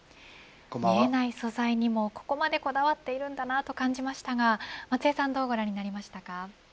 見えない素材にもここまでこだわっているんだなと感じましたが松江さん、どうご覧になりましたか。